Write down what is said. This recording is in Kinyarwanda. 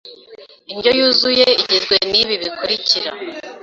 Indyo yuzuye igizwe nibi bikurikira